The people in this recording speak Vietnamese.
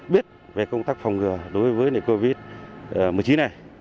biết về công tác phòng ngừa đối với covid một mươi chín này